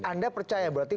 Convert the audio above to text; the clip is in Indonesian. anda percaya berarti